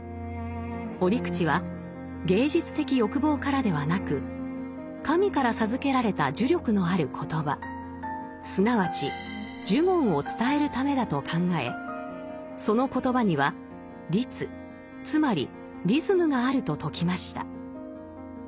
折口は芸術的欲望からではなく神から授けられた呪力のある言葉すなわち「呪言」を伝えるためだと考えその言葉には「律」つまりリズムがあると説きました。